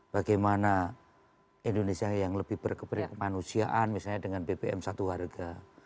bagaimana indonesia yang lebih berkembang kemanusiaan misalnya dengan bpm satu harga